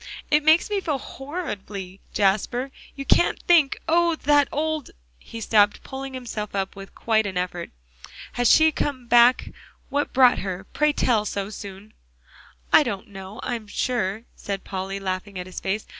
"It makes me feel horridly, Jasper you can't think. Oh! that old" He stopped, pulling himself up with quite an effort. "Has she come back what brought her, pray tell, so soon?" "I don't know, I am sure," said Polly, laughing at his face.